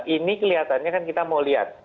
ini kelihatannya kan kita mau lihat